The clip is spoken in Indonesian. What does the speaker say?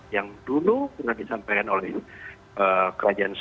yang dulu pernah disampaikan oleh kerajaan sunda